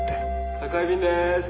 宅配便です。